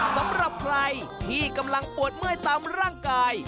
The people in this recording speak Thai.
สำหรับใครที่กำลังปวดเมื่อยตามร่างกาย